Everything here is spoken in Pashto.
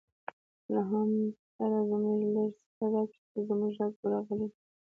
له حمد سره زموږ لږ څه رګ شته، زموږ رګ ورغلی دی.